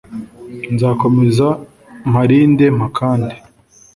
nzakomeza mbarinde mpakande